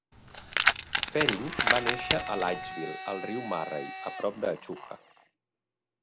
Fehring va néixer a Leitchville, al riu Murray, a prop d'Echuca.